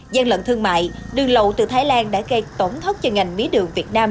gian lận thương mại đường lậu từ thái lan đã gây tổn thất cho ngành mía đường việt nam